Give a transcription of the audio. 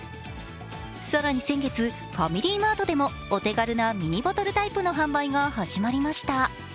更に先月、ファミリーマートでもお手軽なミニボトルタイプの販売が始まりました。